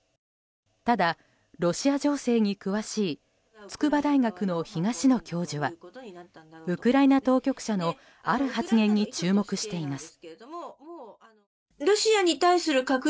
ただロシア情勢に詳しい筑波大学の東野教授はウクライナ当局者のある発言に注目しています。